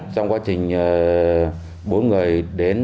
trong quá trình bốn người đến